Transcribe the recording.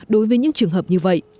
đối với những trường hợp như vậy